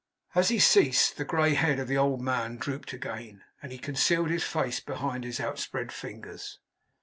As he ceased, the grey head of the old man drooped again; and he concealed his face behind his outspread fingers.